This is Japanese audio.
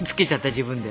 自分で。